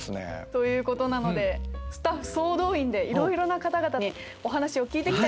ということなのでスタッフ総動員でいろいろな方々にお話を聞いて来ちゃいました。